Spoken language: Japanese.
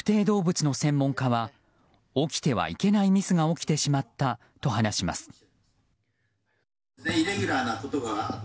動物の専門家は起きてはいけないミスが起きてしまったと話します。